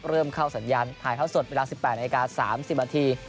เริ่มเข้าสัญญาณถ่ายเท่าสดเวลา๑๘นาที๓๐นาที